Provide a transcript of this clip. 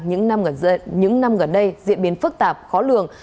những năm gần đây diễn biến phức tạp khó lường